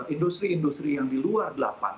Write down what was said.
industri industri yang di luar delapan